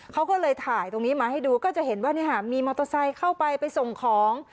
เขาก็เลยถ่ายตรงนี้มาให้ดูก็จะเห็นว่ามีมอเตอร์ไซค์เข้าไปไปส่งของ